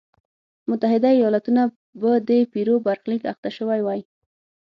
متحده ایالتونه به د پیرو برخلیک اخته شوی وای.